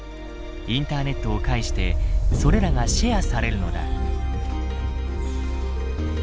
インターネットを介してそれらがシェアされるのだ。